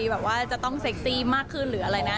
แบบว่าจะต้องเซ็กซี่มากขึ้นหรืออะไรนะ